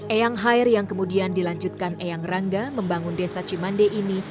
eyang hair yang kemudian dilanjutkan eyang rangga membangun desa cimande ini